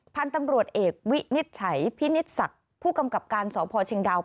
พันธุ์ตำรวจเอกวินิจฉัยพินิศศักดิ์ผู้กำกับการสพเชียงดาว